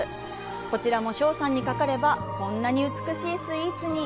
こちらも章さんにかかればこんなに美しいスイーツに！